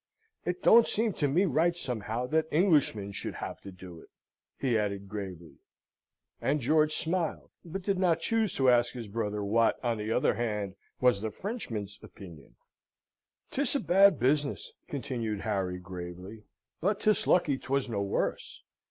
"It don't seem to me right somehow that Englishmen should have to do it," he added, gravely. And George smiled; but did not choose to ask his brother what, on the other hand, was the Frenchman's opinion. "'Tis a bad business," continued Harry, gravely; "but 'tis lucky 'twas no worse.